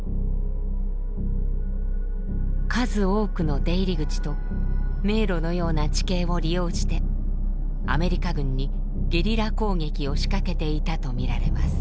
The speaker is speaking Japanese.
数多くの出入り口と迷路のような地形を利用してアメリカ軍にゲリラ攻撃を仕掛けていたとみられます。